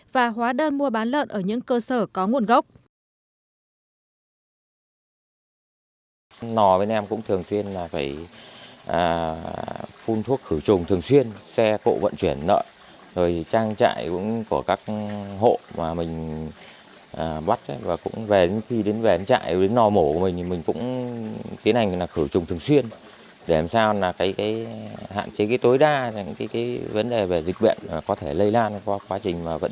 và hóa đơn mua bán lợn ở những cơ sở có nguồn gốc